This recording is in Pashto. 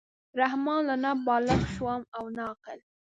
رحمان لا نه بالِغ شوم او نه عاقل.